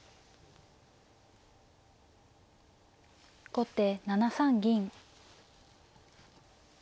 後手７三銀。